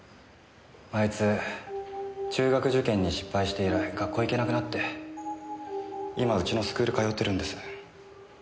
あいつ中学受験に失敗して以来学校行けなくなって今うちのスクール通ってるんです。